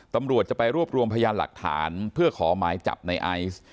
ตำรวจจะไปรวบรวมพยานหลักฐานเพื่อขอหมายจับในไอซ์